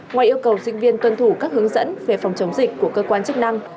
ngoài yêu cầu sinh viên tuân thủ các hướng dẫn về phòng chống dịch của cơ quan chức năng